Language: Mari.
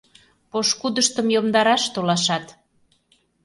Пошкудыштым йомдараш толашат!